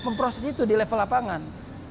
memproses itu di level lapangan